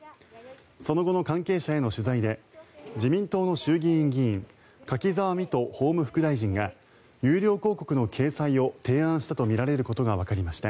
その後の関係者への取材で自民党の衆議院議員柿沢未途法務副大臣が有料広告の掲載を提案したとみられることがわかりました。